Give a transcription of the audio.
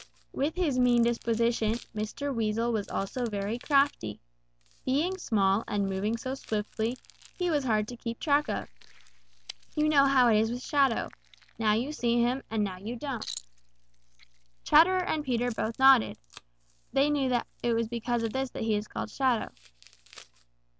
"With his mean disposition, Mr. Weasel was also very crafty. Being small and moving so swiftly, he was hard to keep track of. You know how it is with Shadow now you see him, and now you don't." Chatterer and Peter nodded. They knew that it is because of this that he is called Shadow.